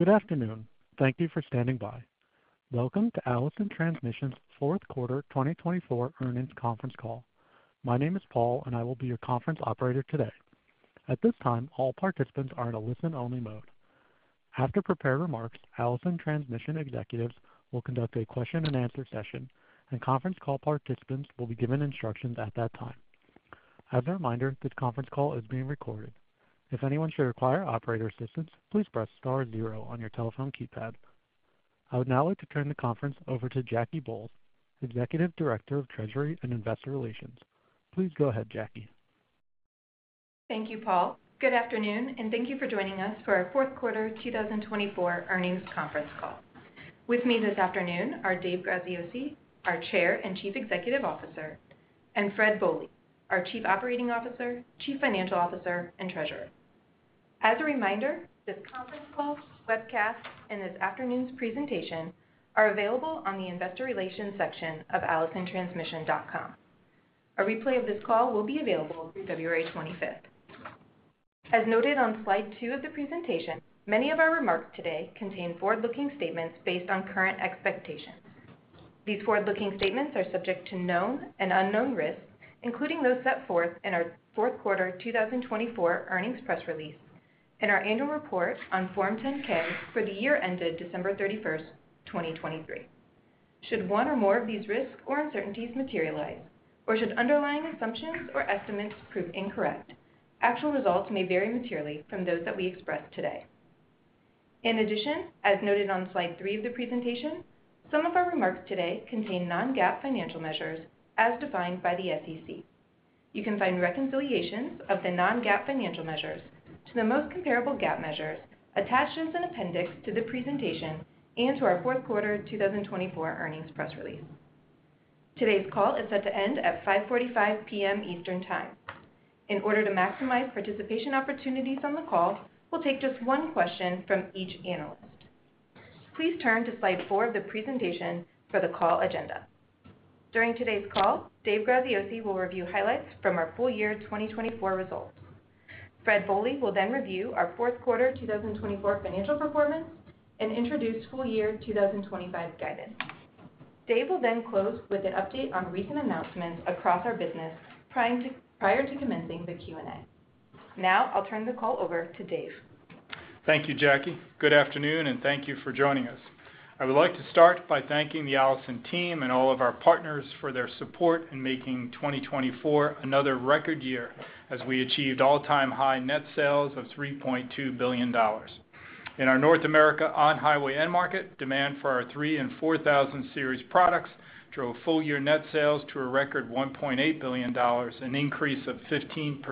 Good afternoon. Thank you for standing by. Welcome to Allison Transmission's fourth quarter 2024 earnings conference call. My name is Paul, and I will be your conference operator today. At this time, all participants are in a listen-only mode. After prepared remarks, Allison Transmission executives will conduct a question-and-answer session, and conference call participants will be given instructions at that time. As a reminder, this conference call is being recorded. If anyone should require operator assistance, please press star zero on your telephone keypad. I would now like to turn the conference over to Jackie Bolles, Executive Director of Treasury and Investor Relations. Please go ahead, Jackie. Thank you, Paul. Good afternoon, and thank you for joining us for our fourth quarter 2024 earnings conference call. With me this afternoon are Dave Graziosi, our Chair and Chief Executive Officer, and Fred Bohley, our Chief Operating Officer, Chief Financial Officer, and Treasurer. As a reminder, this conference call, webcast, and this afternoon's presentation are available on the Investor Relations section of AllisonTransmission.com. A replay of this call will be available through February 25th. As noted on slide two of the presentation, many of our remarks today contain forward-looking statements based on current expectations. These forward-looking statements are subject to known and unknown risks, including those set forth in our fourth quarter 2024 earnings press release and our annual report on Form 10-K for the year ended December 31st, 2023. Should one or more of these risks or uncertainties materialize, or should underlying assumptions or estimates prove incorrect, actual results may vary materially from those that we express today. In addition, as noted on slide three of the presentation, some of our remarks today contain non-GAAP financial measures as defined by the SEC. You can find reconciliations of the non-GAAP financial measures to the most comparable GAAP measures attached as an appendix to the presentation and to our fourth quarter 2024 earnings press release. Today's call is set to end at 5:45 P.M. Eastern Time. In order to maximize participation opportunities on the call, we'll take just one question from each analyst. Please turn to slide four of the presentation for the call agenda. During today's call, Dave Graziosi will review highlights from our full year 2024 results. Fred Bohley will then review our fourth quarter 2024 financial performance and introduce full year 2025 guidance. Dave will then close with an update on recent announcements across our business prior to commencing the Q&A. Now I'll turn the call over to Dave. Thank you, Jackie. Good afternoon, and thank you for joining us. I would like to start by thanking the Allison team and all of our partners for their support in making 2024 another record year as we achieved all-time high net sales of $3.2 billion. In our North America On-highway end market, demand for our 3000 and 4000 Series products drove full year net sales to a record $1.8 billion, an increase of 15%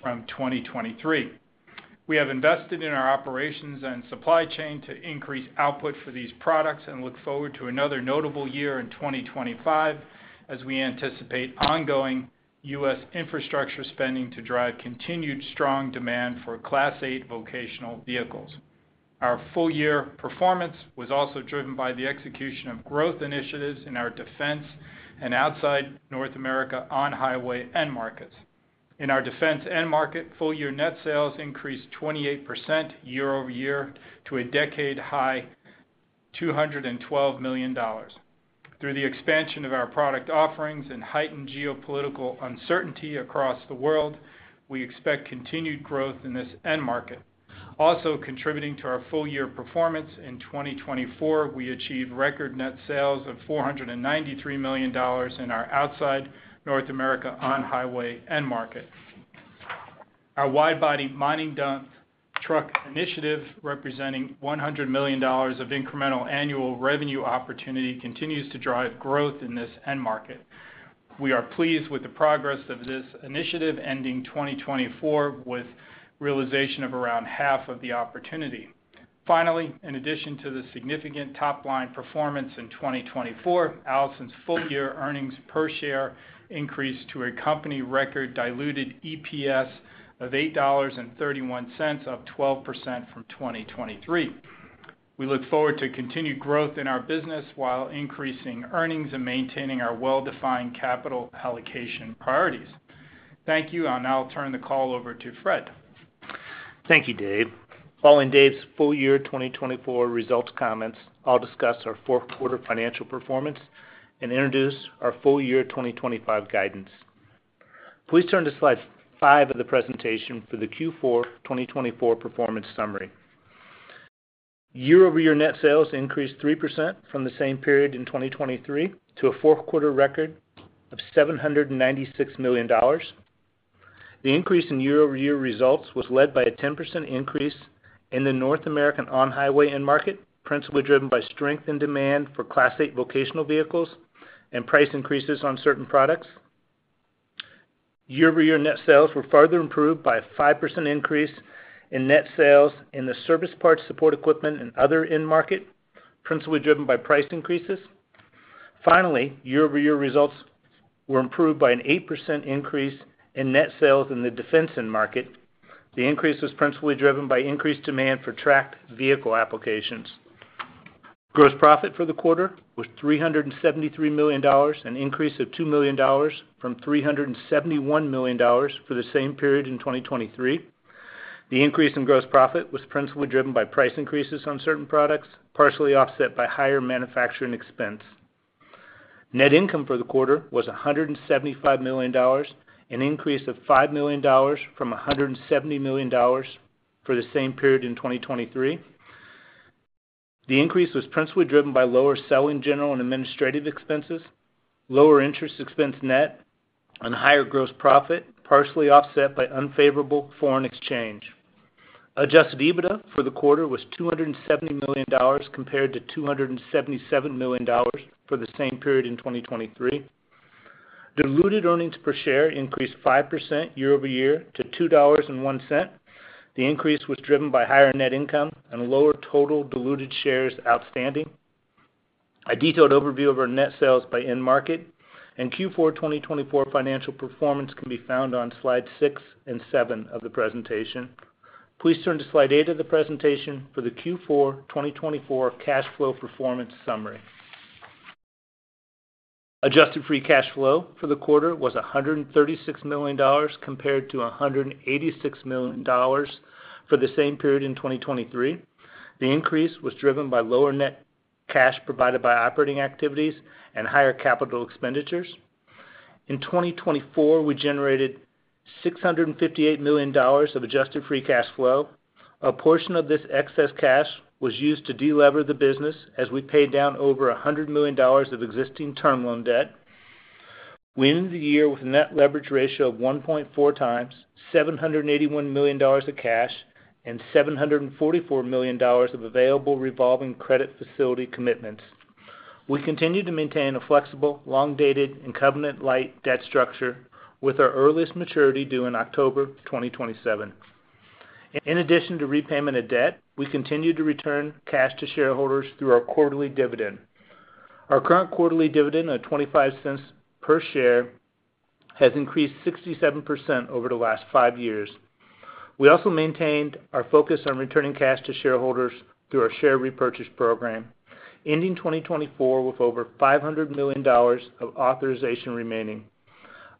from 2023. We have invested in our operations and supply chain to increase output for these products and look forward to another notable year in 2025 as we anticipate ongoing U.S. infrastructure spending to drive continued strong demand for Class 8 vocational vehicles. Our full year performance was also driven by the execution of growth initiatives in our Defense and outside North America On-highway end markets. In our defense end market, full year net sales increased 28% year-over-year to a decade high of $212 million. Through the expansion of our product offerings and heightened geopolitical uncertainty across the world, we expect continued growth in this end market. Also contributing to our full year performance in 2024, we achieved record net sales of $493 million in our outside North America On-highway end market. Our wide-body mining dump truck initiative, representing $100 million of incremental annual revenue opportunity, continues to drive growth in this end market. We are pleased with the progress of this initiative ending 2024 with realization of around half of the opportunity. Finally, in addition to the significant top-line performance in 2024, Allison's full year earnings per share increased to a company record diluted EPS of $8.31, up 12% from 2023. We look forward to continued growth in our business while increasing earnings and maintaining our well-defined capital allocation priorities. Thank you, and I'll now turn the call over to Fred. Thank you, Dave. Following Dave's full year 2024 results comments, I'll discuss our fourth quarter financial performance and introduce our full year 2025 guidance. Please turn to slide five of the presentation for the Q4 2024 performance summary. Year-over-year net sales increased 3% from the same period in 2023 to a fourth quarter record of $796 million. The increase in year-over-year results was led by a 10% increase in the North American on-highway end market, principally driven by strength in demand for Class 8 vocational vehicles and price increases on certain products. Year-over-year net sales were further improved by a 5% increase in net sales in the Service Parts, Support Equipment & Other end market, principally driven by price increases. Finally, year-over-year results were improved by an 8% increase in net sales in the defense end market. The increase was principally driven by increased demand for tracked vehicle applications. Gross profit for the quarter was $373 million, an increase of $2 million from $371 million for the same period in 2023. The increase in gross profit was principally driven by price increases on certain products, partially offset by higher manufacturing expense. Net income for the quarter was $175 million, an increase of $5 million from $170 million for the same period in 2023. The increase was principally driven by lower selling, general, and administrative expenses, lower interest expense, net, and higher gross profit, partially offset by unfavorable foreign exchange. Adjusted EBITDA for the quarter was $270 million compared to $277 million for the same period in 2023. Diluted earnings per share increased 5% year-over-year to $2.01. The increase was driven by higher net income and lower total diluted shares outstanding. A detailed overview of our net sales by end market and Q4 2024 financial performance can be found on slide six and seven of the presentation. Please turn to slide eight of the presentation for the Q4 2024 cash flow performance summary. Adjusted Free Cash Flow for the quarter was $136 million compared to $186 million for the same period in 2023. The increase was driven by lower net cash provided by operating activities and higher capital expenditures. In 2024, we generated $658 million of Adjusted Free Cash Flow. A portion of this excess cash was used to delever the business as we paid down over $100 million of existing term loan debt. We ended the year with a net leverage ratio of 1.4 times, $781 million of cash and $744 million of available revolving credit facility commitments. We continue to maintain a flexible, long-dated, incumbent-like debt structure with our earliest maturity due in October 2027. In addition to repayment of debt, we continue to return cash to shareholders through our quarterly dividend. Our current quarterly dividend of $0.25 per share has increased 67% over the last five years. We also maintained our focus on returning cash to shareholders through our share repurchase program, ending 2024 with over $500 million of authorization remaining.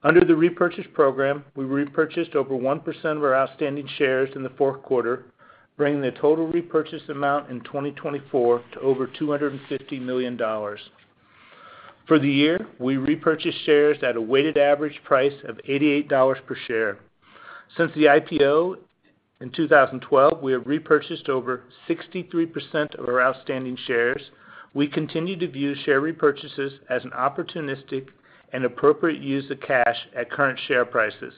Under the repurchase program, we repurchased over 1% of our outstanding shares in the fourth quarter, bringing the total repurchase amount in 2024 to over $250 million. For the year, we repurchased shares at a weighted average price of $88 per share. Since the IPO in 2012, we have repurchased over 63% of our outstanding shares. We continue to view share repurchases as an opportunistic and appropriate use of cash at current share prices.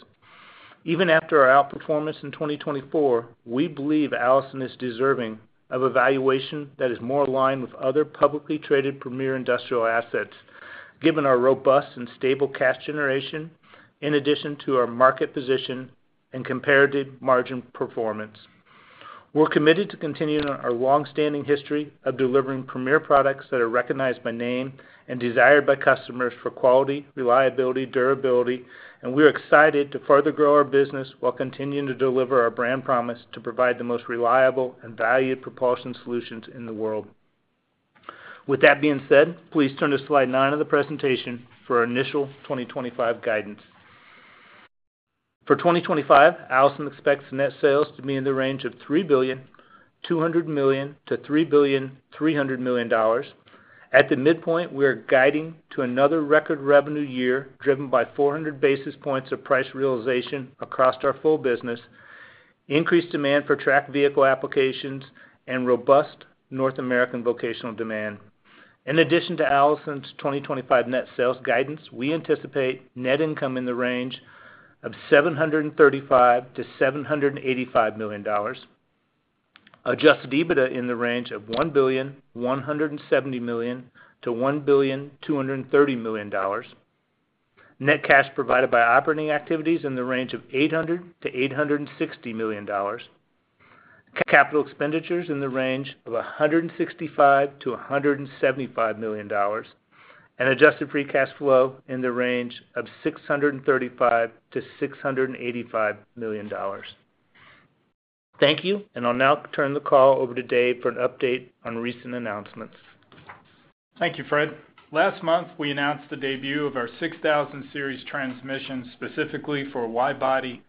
Even after our outperformance in 2024, we believe Allison is deserving of a valuation that is more aligned with other publicly traded premier industrial assets, given our robust and stable cash generation, in addition to our market position and comparative margin performance. We're committed to continuing our longstanding history of delivering premier products that are recognized by name and desired by customers for quality, reliability, durability, and we are excited to further grow our business while continuing to deliver our brand promise to provide the most reliable and valued propulsion solutions in the world. With that being said, please turn to slide nine of the presentation for our initial 2025 guidance. For 2025, Allison expects net sales to be in the range of $3,200 million–$3,300 million. At the midpoint, we are guiding to another record revenue year driven by 400 basis points of price realization across our full business, increased demand for tracked vehicle applications, and robust North American vocational demand. In addition to Allison's 2025 net sales guidance, we anticipate net income in the range of $735–$785 million, Adjusted EBITDA in the range of $1,170–$1,230 million, net cash provided by operating activities in the range of $800–$860 million, capital expenditures in the range of $165-$175 million, and Adjusted Free Cash Flow in the range of $635–$685 million. Thank you, and I'll now turn the call over to Dave for an update on recent announcements. Thank you, Fred. Last month, we announced the debut of our 6000 Series transmission specifically for wide-body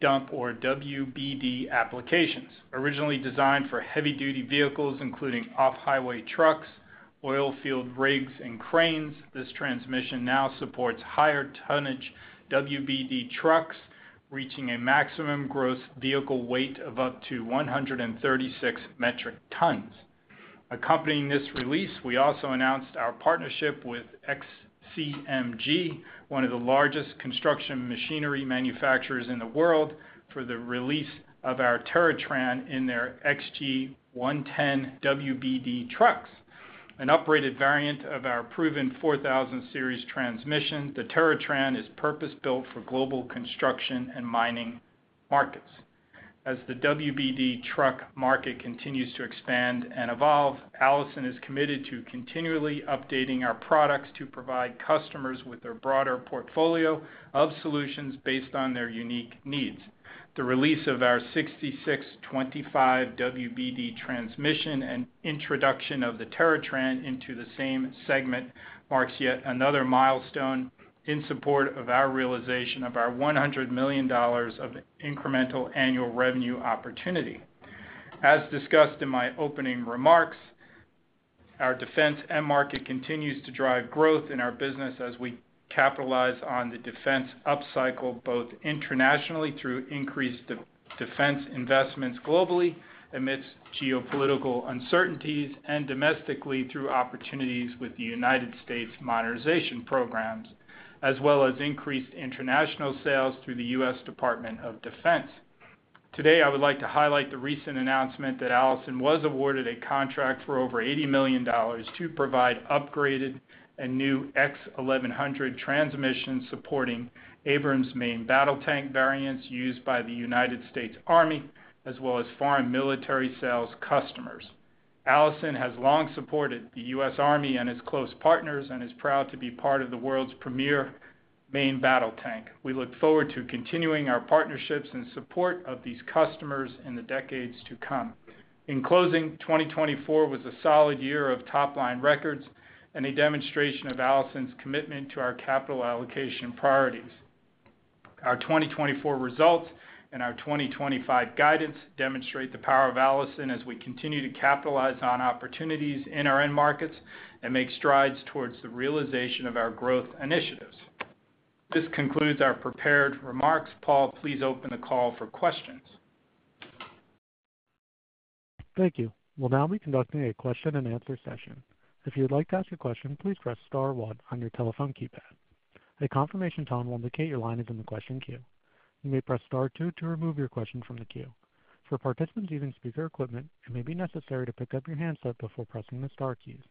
dump or WBD applications. Originally designed for heavy-duty vehicles, including off-highway trucks, oil field rigs, and cranes, this transmission now supports higher tonnage WBD trucks, reaching a maximum gross vehicle weight of up to 136 metric tons. Accompanying this release, we also announced our partnership with XCMG, one of the largest construction machinery manufacturers in the world, for the release of our TerraTran in their XG110 WBD trucks. An upgraded variant of our proven 4000 Series transmission, the TerraTran is purpose-built for global construction and mining markets. As the WBD truck market continues to expand and evolve, Allison is committed to continually updating our products to provide customers with a broader portfolio of solutions based on their unique needs. The release of our 6625 WBD transmission and introduction of the TerraTran into the same segment marks yet another milestone in support of our realization of our $100 million of incremental annual revenue opportunity. As discussed in my opening remarks, our defense end market continues to drive growth in our business as we capitalize on the defense upcycle both internationally through increased defense investments globally amidst geopolitical uncertainties and domestically through opportunities with the United States modernization programs, as well as increased international sales through the U.S. Department of Defense. Today, I would like to highlight the recent announcement that Allison was awarded a contract for over $80 million to provide upgraded and new X1100 transmissions supporting Abrams Main Battle Tank variants used by the United States Army, as well as Foreign Military Sales customers. Allison has long supported the U.S. Army and its close partners and is proud to be part of the world's premier main battle tank. We look forward to continuing our partnerships and support of these customers in the decades to come. In closing, 2024 was a solid year of top-line records and a demonstration of Allison's commitment to our capital allocation priorities. Our 2024 results and our 2025 guidance demonstrate the power of Allison as we continue to capitalize on opportunities in our end markets and make strides toward the realization of our growth initiatives. This concludes our prepared remarks. Paul, please open the call for questions. Thank you. We'll now be conducting a question-and-answer session. If you'd like to ask a question, please press Star 1 on your telephone keypad. A confirmation tone will indicate your line is in the question queue. You may press Star 2 to remove your question from the queue. For participants using speaker equipment, it may be necessary to pick up your handset before pressing the Star keys.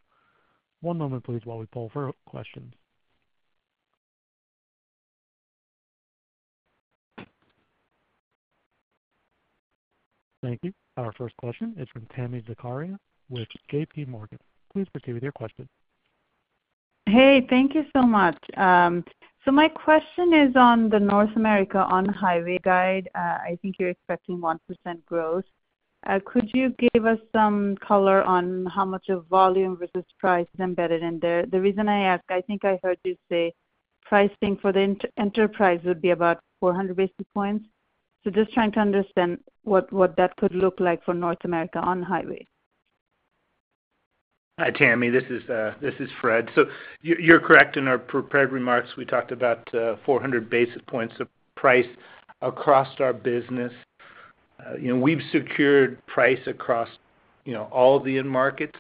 One moment, please, while we pull for questions. Thank you. Our first question is from Tami Zakaria with JPMorgan. Please proceed with your question. Hey, thank you so much. So my question is on the North America On-highway guide. I think you're expecting 1% growth. Could you give us some color on how much of volume versus price is embedded in there? The reason I ask, I think I heard you say pricing for the enterprise would be about 400 basis points. So just trying to understand what that could look like for North America On-highway. Hi, Tami. This is Fred. So you're correct in our prepared remarks. We talked about 400 basis points of price across our business. We've secured price across all the end markets.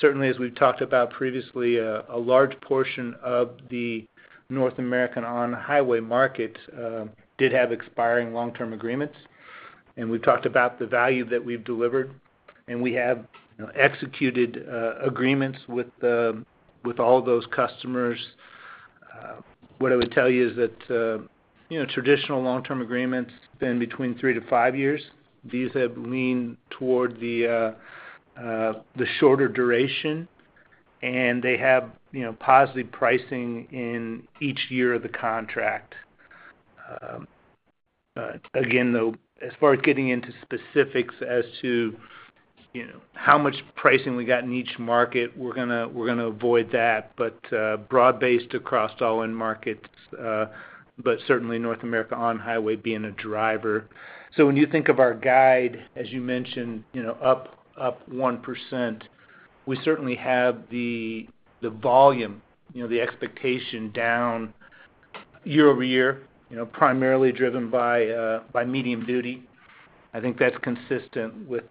Certainly, as we've talked about previously, a large portion of the North American on-highway market did have expiring long-term agreements. And we've talked about the value that we've delivered, and we have executed agreements with all those customers. What I would tell you is that traditional long-term agreements span between three to five years. These have leaned toward the shorter duration, and they have positive pricing in each year of the contract. Again, though, as far as getting into specifics as to how much pricing we got in each market, we're going to avoid that, but broad-based across all end markets, but certainly North America On-highway being a driver. So when you think of our guide, as you mentioned, up 1%, we certainly have the volume, the expectation down year-over-year, primarily driven by medium duty. I think that's consistent with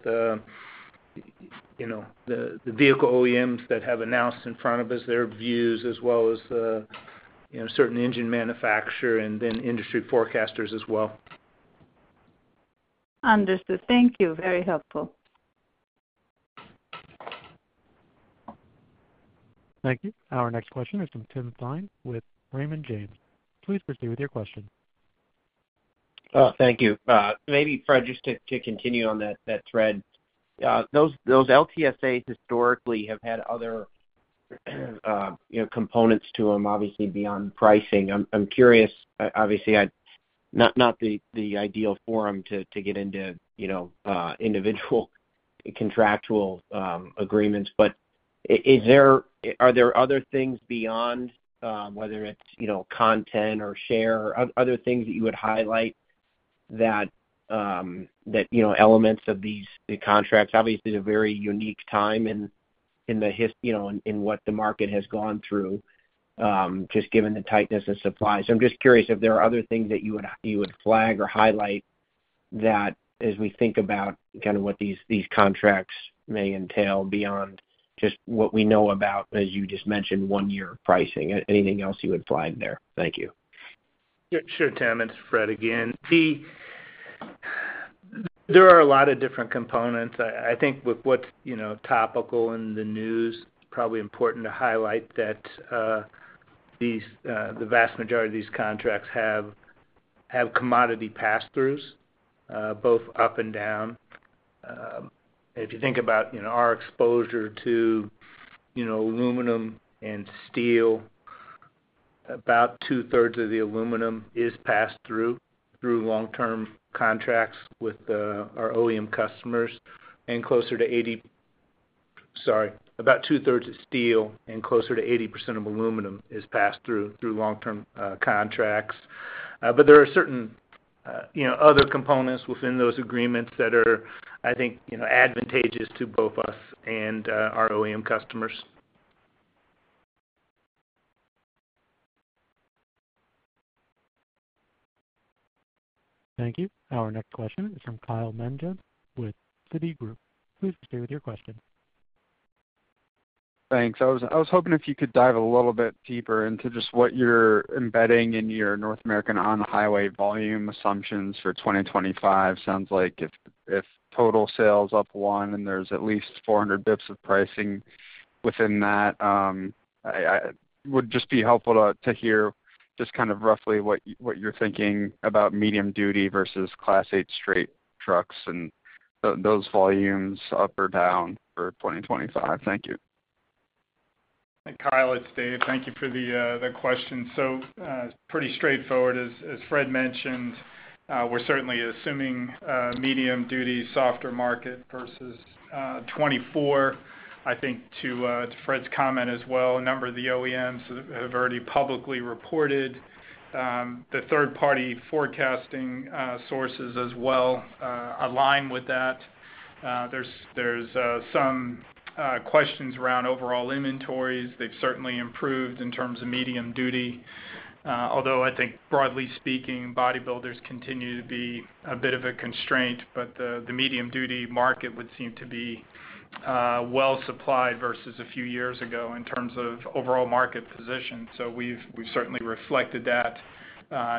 the vehicle OEMs that have announced in front of us their views, as well as certain engine manufacturers and then industry forecasters as well. Understood. Thank you. Very helpful. Thank you. Our next question is from Tim Thein with Raymond James. Please proceed with your question. Thank you. Maybe, Fred, just to continue on that thread, those LTSAs historically have had other components to them, obviously, beyond pricing. I'm curious, obviously, not the ideal forum to get into individual contractual agreements, but are there other things beyond, whether it's content or share, other things that you would highlight that elements of these contracts? Obviously, it's a very unique time in what the market has gone through, just given the tightness of supply. So I'm just curious if there are other things that you would flag or highlight that as we think about kind of what these contracts may entail beyond just what we know about, as you just mentioned, one-year pricing. Anything else you would flag there? Thank you. Sure, Tami and Fred, again. There are a lot of different components. I think with what's topical in the news, it's probably important to highlight that the vast majority of these contracts have commodity pass-throughs, both up and down. If you think about our exposure to aluminum and steel, about two-thirds of the aluminum is passed through long-term contracts with our OEM customers, and closer to 80, sorry, about two-thirds of steel and closer to 80% of aluminum is passed through long-term contracts. But there are certain other components within those agreements that are, I think, advantageous to both us and our OEM customers. Thank you. Our next question is from Kyle Menges with Citigroup. Please proceed with your question. Thanks. I was hoping if you could dive a little bit deeper into just what you're embedding in your North American on-highway volume assumptions for 2025. Sounds like if total sales up 1% and there's at least 400 basis points of pricing within that, it would just be helpful to hear just kind of roughly what you're thinking about medium duty versus Class 8 straight trucks and those volumes up or down for 2025. Thank you. Kyle, it's Dave. Thank you for the question. So pretty straightforward, as Fred mentioned, we're certainly assuming medium duty, softer market versus 2024. I think to Fred's comment as well, a number of the OEMs have already publicly reported. The third-party forecasting sources as well align with that. There's some questions around overall inventories. They've certainly improved in terms of medium duty, although I think, broadly speaking, bodybuilders continue to be a bit of a constraint, but the medium-duty market would seem to be well-supplied versus a few years ago in terms of overall market position. So we've certainly reflected that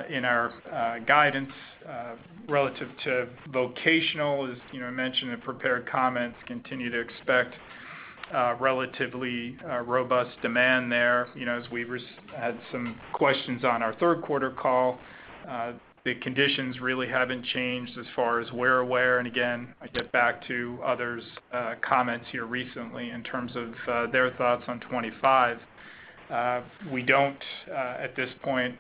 in our guidance relative to vocational, as you mentioned, and prepared comments continue to expect relatively robust demand there. As we've had some questions on our third-quarter call, the conditions really haven't changed as far as where we are. Again, I get back to others' comments here recently in terms of their thoughts on 25. We don't, at this point,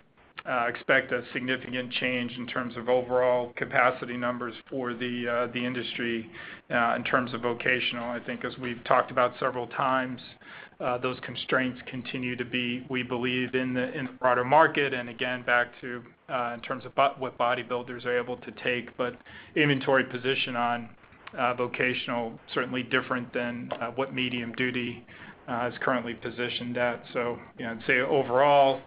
expect a significant change in terms of overall capacity numbers for the industry in terms of vocational. I think, as we've talked about several times, those constraints continue to be, we believe, in the broader market. Again, back to in terms of what bodybuilders are able to take, but inventory position on vocational certainly different than what medium duty is currently positioned at. I'd say overall,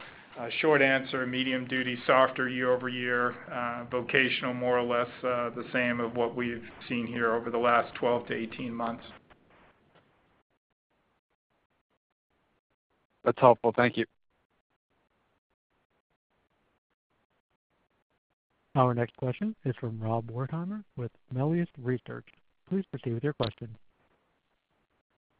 short answer, medium duty softer year-over-year, vocational more or less the same of what we've seen here over the last 12–18 months. That's helpful. Thank you. Our next question is from Rob Wertheimer with Melius Research. Please proceed with your question.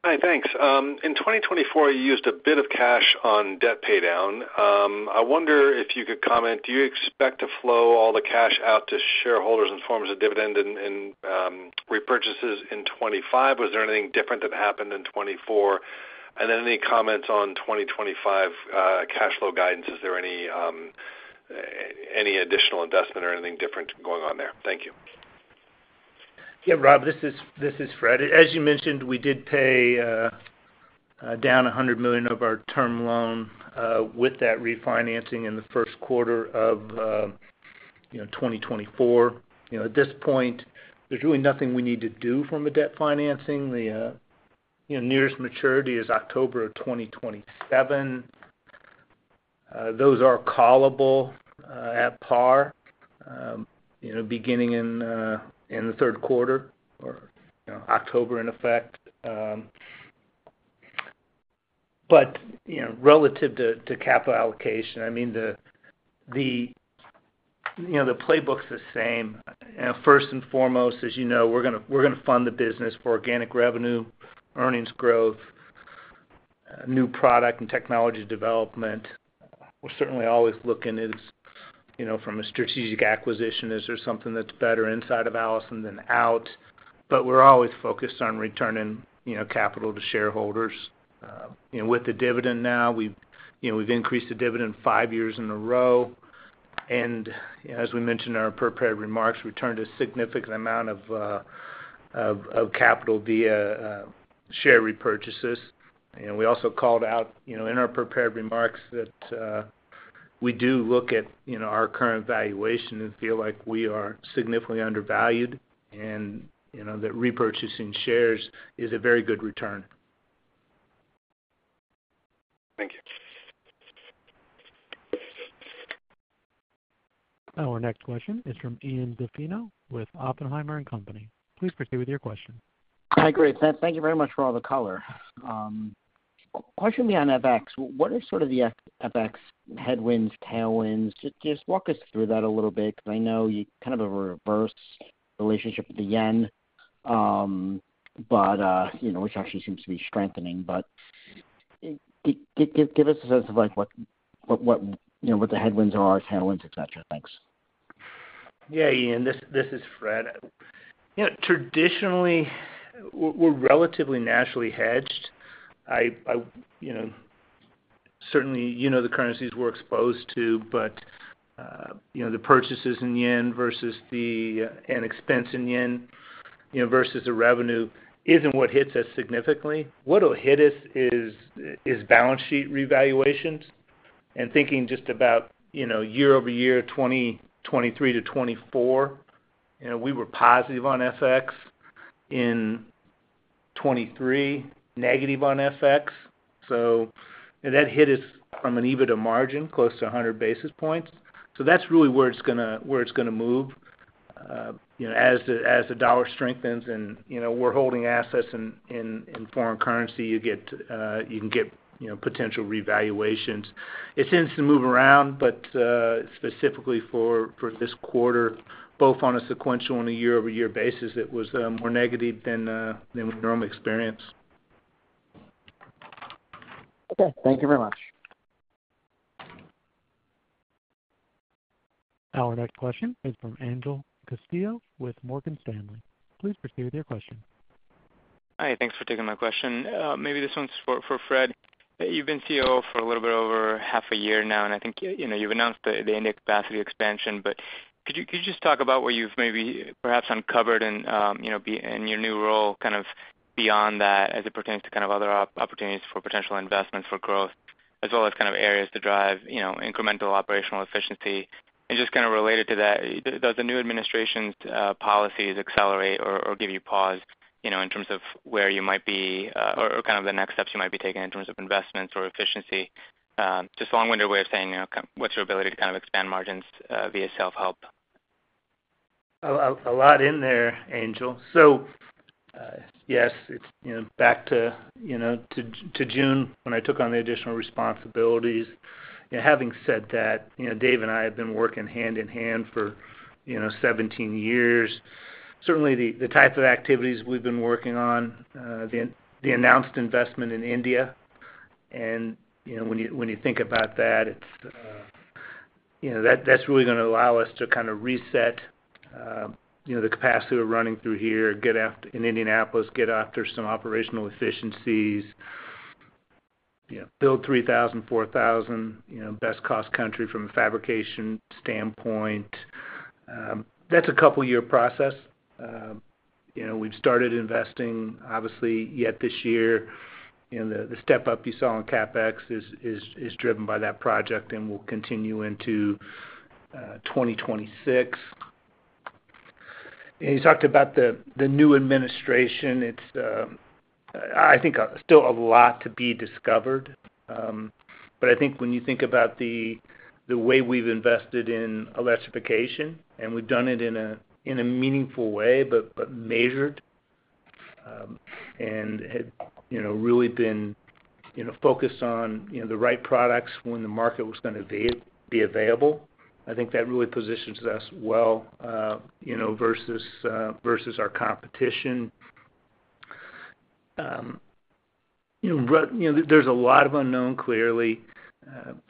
Hi, thanks. In 2024, you used a bit of cash on debt paydown. I wonder if you could comment. Do you expect to flow all the cash out to shareholders in forms of dividend and repurchases in 2025? Was there anything different that happened in 2024? And then any comments on 2025 cash flow guidance? Is there any additional investment or anything different going on there? Thank you. Yeah, Rob, this is Fred. As you mentioned, we did pay down $100 million of our term loan with that refinancing in the first quarter of 2024. At this point, there's really nothing we need to do from a debt financing. The nearest maturity is October of 2027. Those are callable at par beginning in the third quarter or October in effect. But relative to capital allocation, I mean, the playbook's the same. First and foremost, as you know, we're going to fund the business for organic revenue, earnings growth, new product, and technology development. We're certainly always looking from a strategic acquisition, is there something that's better inside of Allison than out? But we're always focused on returning capital to shareholders. With the dividend now, we've increased the dividend five years in a row. And as we mentioned in our prepared remarks, we turned a significant amount of capital via share repurchases. We also called out in our prepared remarks that we do look at our current valuation and feel like we are significantly undervalued and that repurchasing shares is a very good return. Thank you. Our next question is from Ian Zaffino with Oppenheimer & Co. Please proceed with your question. Hi, Greg. Thank you very much for all the color. Question behind FX. What are sort of the FX headwinds, tailwinds? Just walk us through that a little bit because I know you kind of have a reverse relationship with the yen, which actually seems to be strengthening. But give us a sense of what the headwinds are, tailwinds, etc. Thanks. Yeah, Ian, this is Fred. Traditionally, we're relatively naturally hedged. Certainly, you know the currencies we're exposed to, but the purchases in yen versus the expense in yen versus the revenue isn't what hits us significantly. What'll hit us is balance sheet revaluations. And thinking just about year-over-year, 2023–2024, we were positive on FX in 2023, negative on FX. So that hit us from an EBITDA margin, close to 100 basis points. So that's really where it's going to move as the dollar strengthens. And we're holding assets in foreign currency. You can get potential revaluations. It tends to move around, but specifically for this quarter, both on a sequential and a year-over-year basis, it was more negative than we normally experience. Okay. Thank you very much. Our next question is from Angel Castillo with Morgan Stanley. Please proceed with your question. Hi. Thanks for taking my question. Maybe this one's for Fred. You've been COO for a little bit over half a year now, and I think you've announced the India capacity expansion. But could you just talk about what you've maybe perhaps uncovered in your new role kind of beyond that as it pertains to kind of other opportunities for potential investments for growth, as well as kind of areas to drive incremental operational efficiency? And just kind of related to that, does the new administration's policies accelerate or give you pause in terms of where you might be or kind of the next steps you might be taking in terms of investments or efficiency? Just a long-winded way of saying what's your ability to kind of expand margins via self-help? A lot in there, Angel, so yes, back to June when I took on the additional responsibilities. Having said that, Dave and I have been working hand in hand for 17 years. Certainly, the type of activities we've been working on, the announced investment in India, and when you think about that, that's really going to allow us to kind of reset the capacity we're running through here, get in Indianapolis, get after some operational efficiencies, build 3,000, 4,000, best-cost country from a fabrication standpoint. That's a couple-year process. We've started investing, obviously, yet this year. The step-up you saw in CapEx is driven by that project and will continue into 2026, and you talked about the new administration. I think still a lot to be discovered. But I think when you think about the way we've invested in electrification, and we've done it in a meaningful way, but measured and had really been focused on the right products when the market was going to be available, I think that really positions us well versus our competition. There's a lot of unknown, clearly.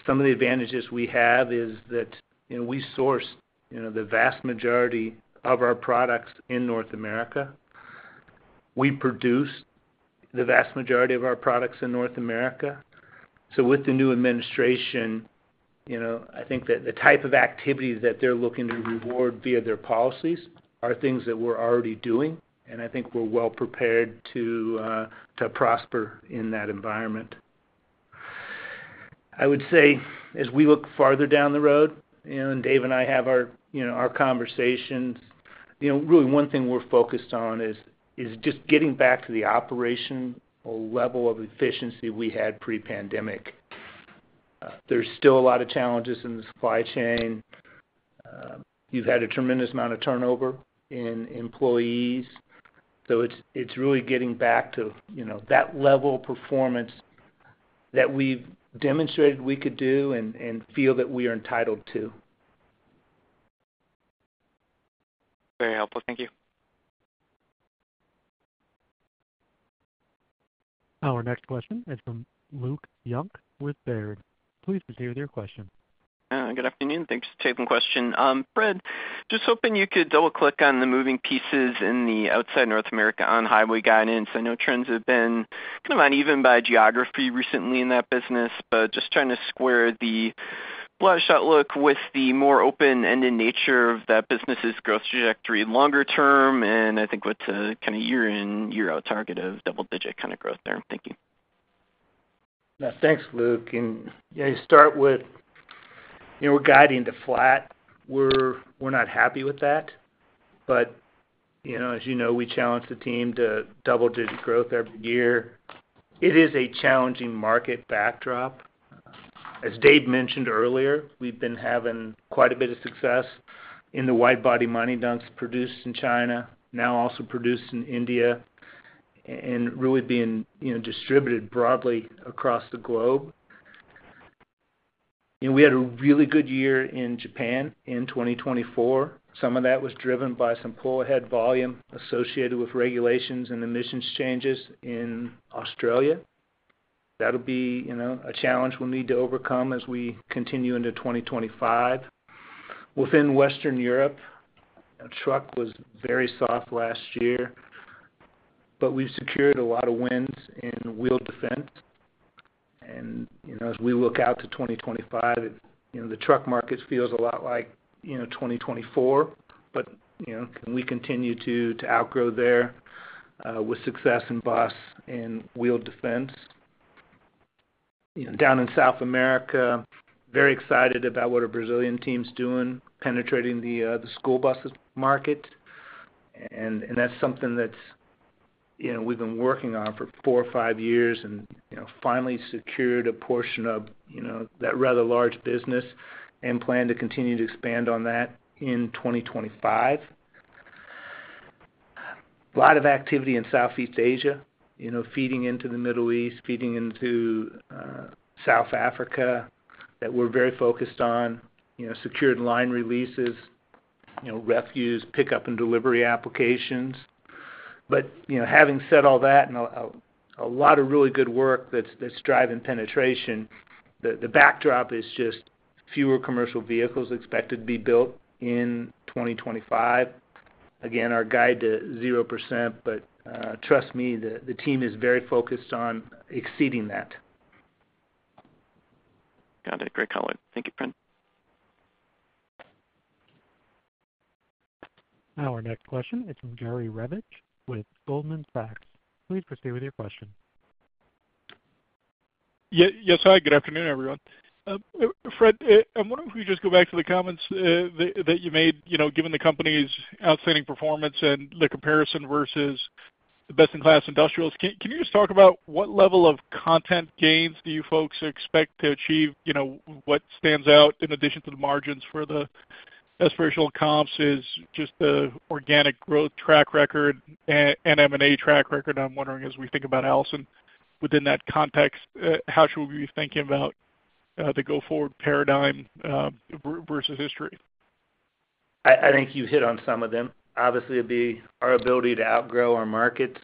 Some of the advantages we have is that we source the vast majority of our products in North America. We produce the vast majority of our products in North America. So with the new administration, I think that the type of activities that they're looking to reward via their policies are things that we're already doing. And I think we're well prepared to prosper in that environment. I would say, as we look farther down the road, and Dave and I have our conversations, really one thing we're focused on is just getting back to the operational level of efficiency we had pre-pandemic. There's still a lot of challenges in the supply chain. You've had a tremendous amount of turnover in employees. So it's really getting back to that level of performance that we've demonstrated we could do and feel that we are entitled to. Very helpful. Thank you. Our next question is from Luke Junk with Baird. Please proceed with your question. Good afternoon. Thanks for taking the question. Fred, just hoping you could double-click on the moving pieces in the outside North America On-highway guidance. I know trends have been kind of uneven by geography recently in that business, but just trying to square the buildout look with the more open-ended nature of that business's growth trajectory longer term and I think with a kind of year-in-year-out target of double-digit kind of growth there. Thank you. Thanks, Luke. Yeah, you start with we're guiding to flat. We're not happy with that. But as you know, we challenge the team to double-digit growth every year. It is a challenging market backdrop. As Dave mentioned earlier, we've been having quite a bit of success in the wide-body mining dumps produced in China, now also produced in India, and really being distributed broadly across the globe. We had a really good year in Japan in 2024. Some of that was driven by some pull-ahead volume associated with regulations and emissions changes in Australia. That'll be a challenge we'll need to overcome as we continue into 2025. Within Western Europe, the truck market was very soft last year, but we've secured a lot of wins in the defense. As we look out to 2025, the truck market feels a lot like 2024, but can we continue to outgrow there with success in bus and wheel defense? Down in South America. Very excited about what our Brazilian team's doing, penetrating the school bus market. That's something that we've been working on for four or five years and finally secured a portion of that rather large business and plan to continue to expand on that in 2025. A lot of activity in Southeast Asia, feeding into the Middle East, feeding into South Africa that we're very focused on, secured line releases, refuse, pickup and delivery applications. Having said all that and a lot of really good work that's driving penetration, the backdrop is just fewer commercial vehicles expected to be built in 2025. Again, our guide to 0%, but trust me, the team is very focused on exceeding that. Got it. Great color. Thank you, Fred. Our next question is from Jerry Revich with Goldman Sachs. Please proceed with your question. Yes, hi. Good afternoon, everyone. Fred, I'm wondering if we could just go back to the comments that you made, given the company's outstanding performance and the comparison versus the best-in-class industrials. Can you just talk about what level of content gains do you folks expect to achieve? What stands out in addition to the margins for the aspirational comps is just the organic growth track record and M&A track record. I'm wondering, as we think about Allison within that context, how should we be thinking about the go-forward paradigm versus history? I think you hit on some of them. Obviously, it'd be our ability to outgrow our markets.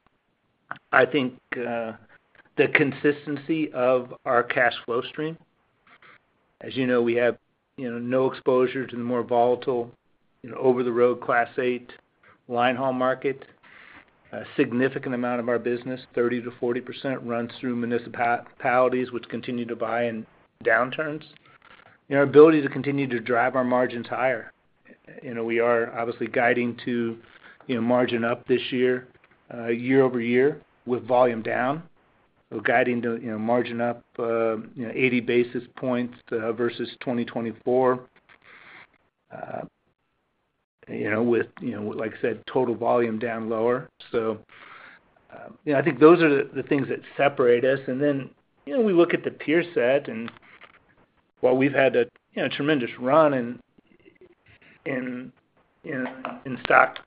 I think the consistency of our cash flow stream. As you know, we have no exposure to the more volatile over-the-road Class 8 linehaul market. A significant amount of our business, 30%-40%, runs through municipalities which continue to buy in downturns. Our ability to continue to drive our margins higher. We are obviously guiding to margin up this year year-over-year with volume down. We're guiding to margin up 80 basis points versus 2024, with, like I said, total volume down lower. So I think those are the things that separate us. And then we look at the tier set and while we've had a tremendous run in stock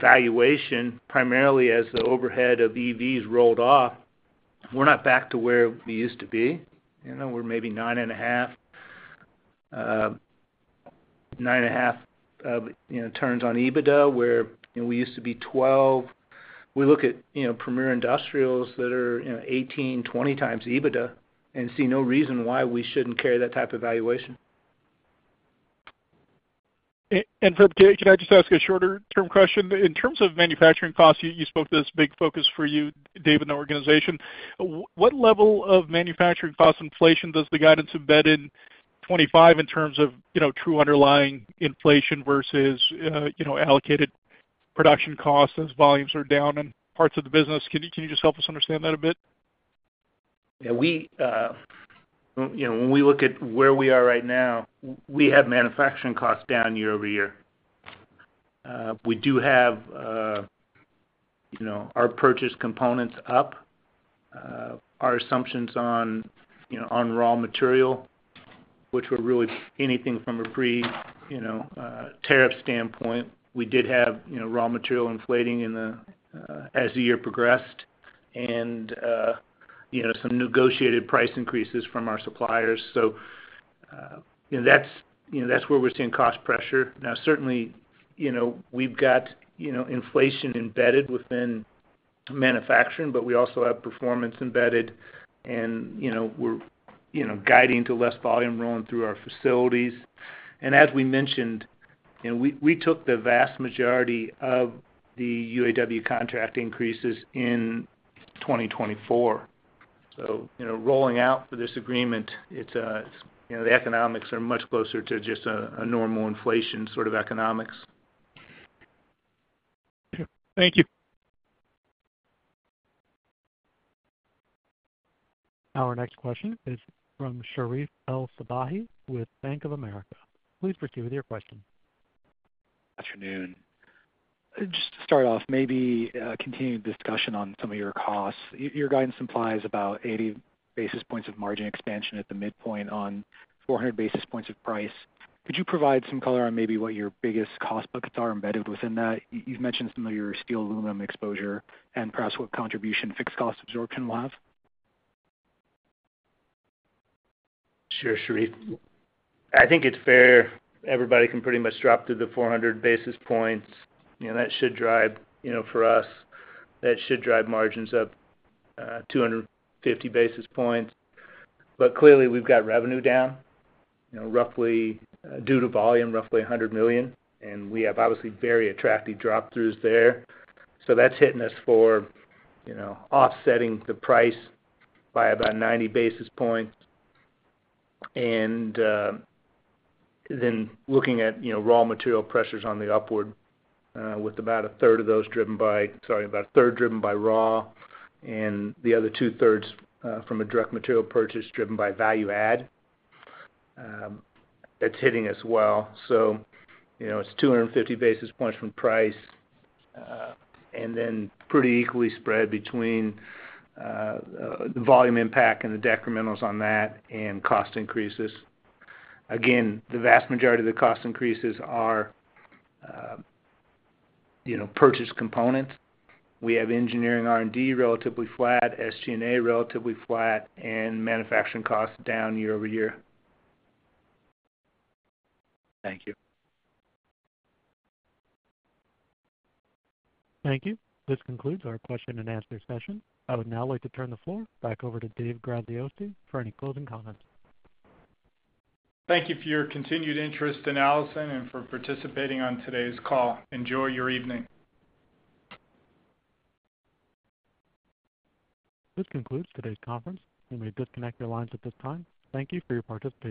valuation, primarily as the overhead of EVs rolled off, we're not back to where we used to be. We're maybe nine and a half, nine and a half turns on EBITDA where we used to be 12. We look at premier industrials that are 18, 20 times EBITDA and see no reason why we shouldn't carry that type of valuation. Fred, can I just ask a shorter-term question? In terms of manufacturing costs, you spoke to this big focus for you, Dave, in the organization. What level of manufacturing cost inflation does the guidance embed in 2025 in terms of true underlying inflation versus allocated production costs as volumes are down in parts of the business? Can you just help us understand that a bit? Yeah. When we look at where we are right now, we have manufacturing costs down year-over-year. We do have our purchased components up. Our assumptions on raw material, which were really anything from a pre-term standpoint, we did have raw material inflating as the year progressed and some negotiated price increases from our suppliers. So that's where we're seeing cost pressure. Now, certainly, we've got inflation embedded within manufacturing, but we also have performance embedded, and we're guiding to less volume rolling through our facilities. And as we mentioned, we took the vast majority of the UAW contract increases in 2024. So rolling out for this agreement, the economics are much closer to just a normal inflation sort of economics. Thank you. Our next question is from Sherif El-Sabbahy with Bank of America. Please proceed with your question. Good afternoon. Just to start off, maybe continue the discussion on some of your costs. Your guidance implies about 80 basis points of margin expansion at the midpoint on 400 basis points of price. Could you provide some color on maybe what your biggest cost buckets are embedded within that? You've mentioned some of your steel aluminum exposure and perhaps what contribution fixed cost absorption will have. Sure, Sherif. I think it's fair. Everybody can pretty much drop to the 400 basis points. That should drive for us, that should drive margins up 250 basis points. But clearly, we've got revenue down, roughly due to volume, roughly $100 million, and we have obviously very attractive drop-throughs there. So that's hitting us for offsetting the price by about 90 basis points. And then looking at raw material pressures on the upward, with about a third of those driven by, sorry, about a third driven by raw and the other two-thirds from a direct material purchase driven by value-add, that's hitting us well. So it's 250 basis points from price and then pretty equally spread between the volume impact and the decrementals on that and cost increases. Again, the vast majority of the cost increases are purchase components. We have engineering R&D relatively flat, SG&A relatively flat, and manufacturing costs down year-over-year. Thank you. Thank you. This concludes our question and answer session. I would now like to turn the floor back over to Dave Graziosi for any closing comments. Thank you for your continued interest in Allison and for participating on today's call. Enjoy your evening. This concludes today's conference. We may disconnect your lines at this time. Thank you for your participation.